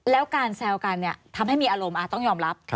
แล้วการแซวกันทำให้มีอารมณ์ต้องยอมรับ